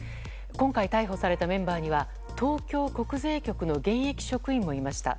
今回、逮捕されたメンバーには東京国税局の現役職員もいました。